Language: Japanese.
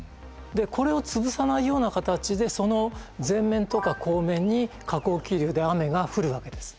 これを潰さないような形でその前面とか後面に下降気流で雨が降るわけです。